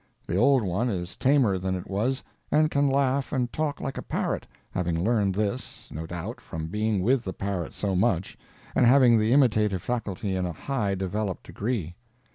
The old one is tamer than it was and can laugh and talk like a parrot, having learned this, no doubt, from being with the parrot so much, and having the imitative faculty in a high developed degree.